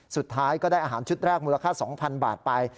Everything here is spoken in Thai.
สุดท้ายก็ได้อาหารชุดแรกมูลค่า๒๐๐๐บาทไป